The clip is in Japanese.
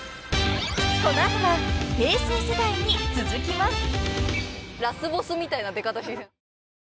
［この後は平成世代に続きます］